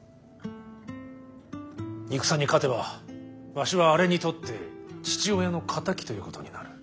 戦に勝てばわしはあれにとって父親の敵ということになる。